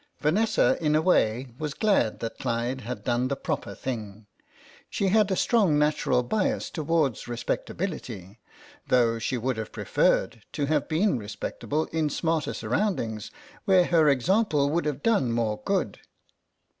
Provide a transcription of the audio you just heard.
Vanessa, in a way, was glad that Clyde had done the proper thing. She had a strong natural bias towards respectability, though she would have preferred to have been respectable in smarter surroundings, where her example would have done more good.